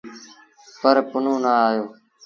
پر پنهون نا آيو۔